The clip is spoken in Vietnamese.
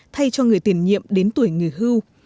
thay cho người tiền nhiệm đến tuổi nghỉ hưu